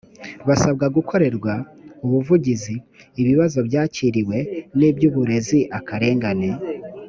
basaba gukorerwa ubuvugizi ibibazo byakiriwe ni iby uburezi akarengane